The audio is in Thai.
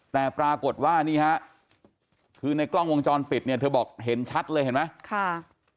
แต่ปรากฏว่านี่ฮะคือในกล้องวงจรปิดเนี่ยเธอบอกเห็นชัดเลยเห็นไหมค่ะ